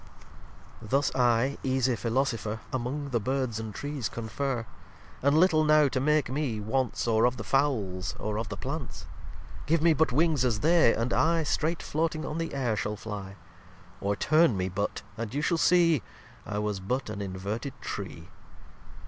lxxi Thus I, easie Philosopher, Among the Birds and Trees confer: And little now to make me, wants Or of the Fowles, or of the Plants. Give me but Wings as they, and I Streight floting on the Air shall fly: Or turn me but, and you shall see I was but an inverted Tree.